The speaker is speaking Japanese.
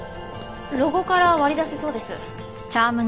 ロゴから割り出せそうです。